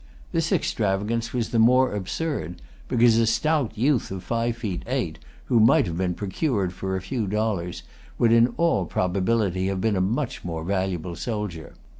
This extravagance was the more absurd because a stout youth of five feet eight, who might have been procured for a few dollars, would in all probability have been a much more valuable soldier.